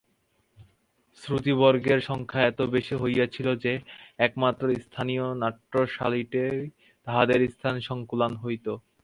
শ্রোতৃবর্গের সংখ্যা এত বেশী হইয়াছিল যে, একমাত্র স্থানীয় নাট্যশালাটিতেই তাহাদের স্থান সঙ্কুলান হইত।